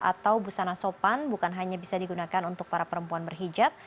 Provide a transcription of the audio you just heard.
atau busana sopan bukan hanya bisa digunakan untuk para perempuan berhijab